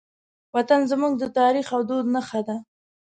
وطن زموږ د تاریخ او دود نښه ده.